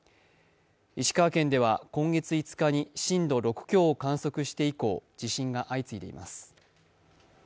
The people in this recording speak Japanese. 石川県では今月５日に震度６強を観測して以降、地震が相次いでいます。